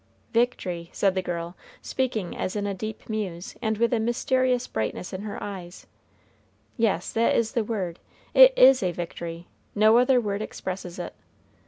"Victory!" said the girl, speaking as in a deep muse, and with a mysterious brightness in her eyes; "yes, that is the word it is a victory no other word expresses it.